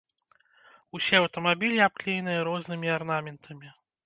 Усе аўтамабілі абклееныя рознымі арнаментамі.